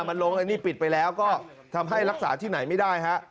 มันลงอันนี้ปิดไปแล้วก็ทำให้รักษาที่ไหนไม่ได้ฮะ